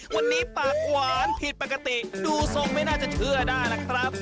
วันนี้ปากหวานผิดปกติดูทรงไม่น่าจะเชื่อได้ล่ะครับ